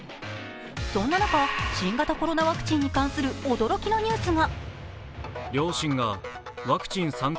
そんな中、新型コロナワクチンに関する驚きのニュースが。